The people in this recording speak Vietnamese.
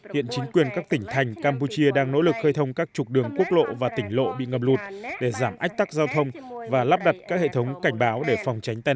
hiện chính quyền các tỉnh thành campuchia đang nỗ lực khơi thông các trục đường quốc lộ và tỉnh lộ bị ngập lụt để giảm ách tắc giao thông và lắp đặt các hệ thống cảnh báo để phòng tránh tai nạn